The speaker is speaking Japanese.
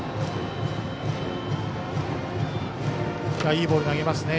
いいボール投げますね。